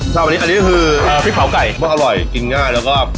ครับอันนี้อันนี้คือเอ่อพริกเผาไก่อร่อยกินง่ายแล้วก็